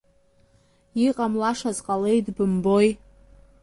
Иҟамлашаз ҟалеит, бымбои.